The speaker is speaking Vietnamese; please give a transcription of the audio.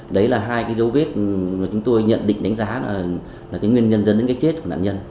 đấy là hai dấu vết mà chúng tôi nhận định đánh giá là nguyên nhân dân đến cái chết của nạn nhân